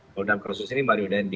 pada proses ini mario dandi